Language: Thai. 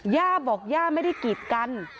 ย่าบอกย่าไม่ได้กีดกัน